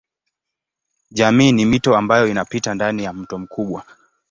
Jamii ni mito ambayo inapita ndani ya mto mkubwa.